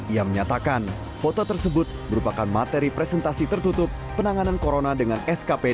ia menyatakan foto tersebut merupakan materi presentasi tertutup penanganan corona dengan skpd